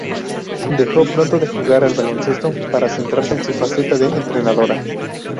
Dejó pronto de jugar al baloncesto para centrarse en su faceta de entrenadora.